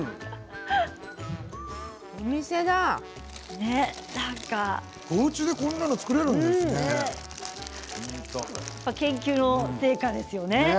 おうちでこんなの研究の成果ですよね。